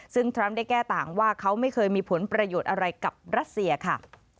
ซึ่งทรัมป์ได้แก้ต่างว่าเขาไม่เคยมีผลประโยชน์อะไรกับรัสเซียค่ะ